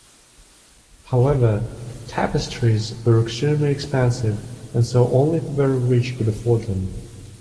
However, tapestries were extremely expensive and so only the very rich could afford them.